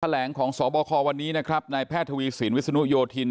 แหลงของสบควันนี้นะครับนายแพทย์ทวีสินวิศนุโยธิน